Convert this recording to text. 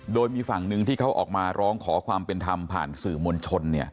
โดยมีฝั่งหนึ่งที่เขาออกมาร้องขอความเป็นธรรมผ่านสื่อมวลชน